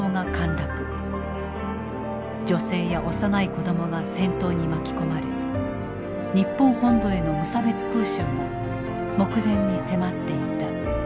女性や幼い子供が戦闘に巻き込まれ日本本土への無差別空襲が目前に迫っていた。